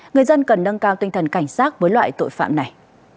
người dân cần nâng cao tinh thần cảnh sát với loại tội phạm này